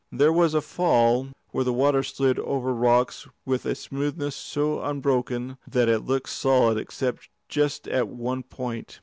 There was a fall, where the water slid over rocks with a smoothness so unbroken that it looked solid except just at one point.